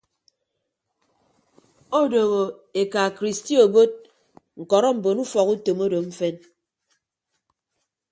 Odooho eka kristi obot ñkọrọ mbon ufọkutom odo mfen.